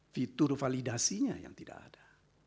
fitur validasinya yang tidak ada